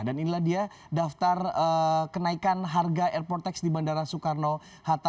dan inilah dia daftar kenaikan harga airport tax di bandara soekarno hatta